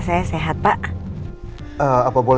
kali lo celaka di depan